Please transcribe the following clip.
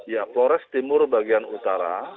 ya flores timur bagian utara